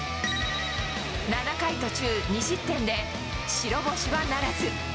７回途中２失点で白星はならず。